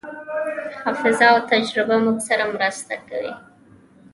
حافظه او تجربه موږ سره مرسته کوي.